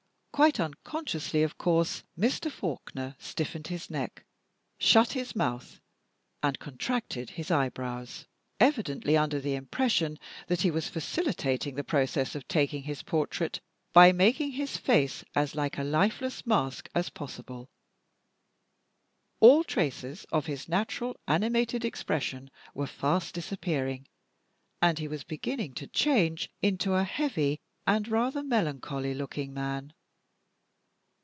Quite unconsciously, of course, Mr. Faulkner stiffened his neck, shut his month, and contracted his eyebrows evidently under the impression that he was facilitating the process of taking his portrait by making his face as like a lifeless mask as possible. All traces of his natural animated expression were fast disappearing, and he was beginning to change into a heavy and rather melancholy looking man.